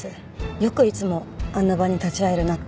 よくいつもあんな場に立ち会えるなって。